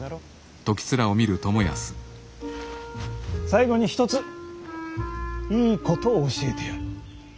最後に一ついいことを教えてやる。